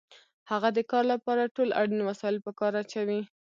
هغه د کار لپاره ټول اړین وسایل په کار اچوي